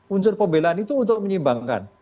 unsur pembelaan itu untuk menyimbangkan